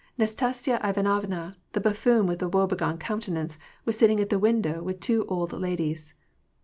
Nastasya Ivanovna, the buffoon with a woe begone countenance, was sitting at the window with two old ladies.